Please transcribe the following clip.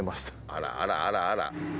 あらあらあらあら！